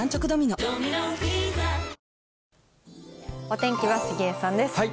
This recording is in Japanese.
お天気は杉江さんです。